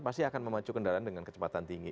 pasti akan memacu kendaraan dengan kecepatan tinggi